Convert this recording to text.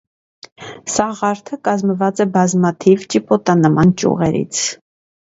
Սաղարթը կազմված է բազմաթիվ ճիպոտանման ճյուղերից։